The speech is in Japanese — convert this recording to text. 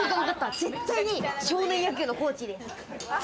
絶対に少年野球のコーチです。